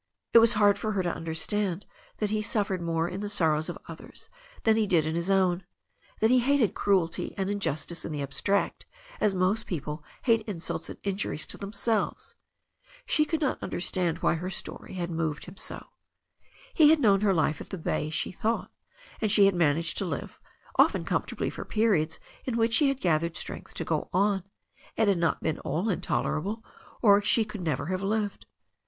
It was hard for her to understand that he suffered more in the sorrows of others than he did in his own, that he hated cruelty and injustice in the abstract as most people hate insults and injuries to themselves. She could not understand why her story had moN^^ \vvml ^k^ 340 THE STORY OF A NEW ZEALAND RIVER He had known her life at the bay^ she thought, and she had managed to live, often comfortably for periods in which she had gathered strength to go on. It had not all been intolerable, or she could never have lived.